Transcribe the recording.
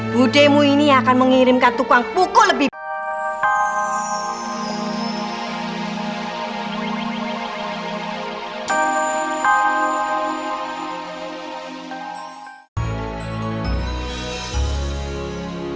budimu ini akan mengirimkan tukang pukul lebih kuat